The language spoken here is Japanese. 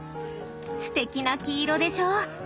すてきな黄色でしょう？